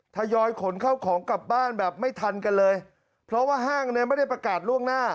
ทยอยขนเข้าของกลับบ้านแบบไม่ทันกันเลยเพราะว่าห้างเนี่ยไม่ได้ประกาศล่วงหน้า